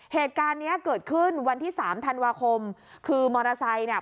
เหตุการณ์เนี้ยเกิดขึ้นวันที่สามธันวาคมคือมอเตอร์ไซค์เนี่ย